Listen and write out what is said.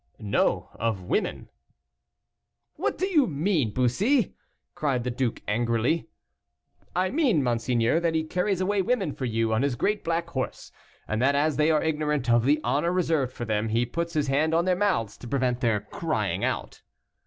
"No; of women." "What do you mean, Bussy?" cried the duke angrily. "I mean, monseigneur, that he carries away women for you on his great black horse, and that as they are ignorant of the honor reserved for them, he puts his hand on their mouths to prevent their crying out."